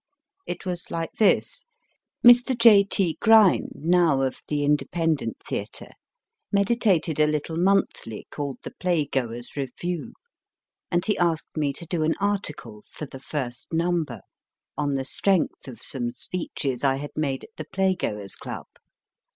It was like this. Mr. J. T. Grein, now of the Independent Theatre, meditated a little monthly called The Playgoers Review , and he asked me to do an article for the first number, on the strength of some speeches I had made at the Playgoers Club.